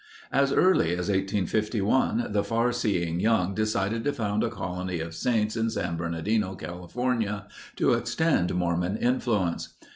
As early as 1851, the far seeing Young decided to found a colony of Saints in San Bernardino, California, to extend Mormon influence.